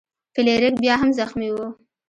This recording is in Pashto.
فلیریک بیا هم زخمی و.